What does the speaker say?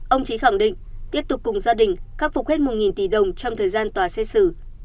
ông trí khẳng định tiếp tục cùng gia đình khắc phục hết một tỷ đồng trong thời gian tòa xét xử